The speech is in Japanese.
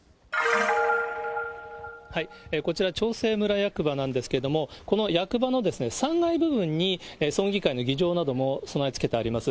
こちら、長生村役場なんですけども、この役場の３階部分に村議会の議場なども備え付けてあります。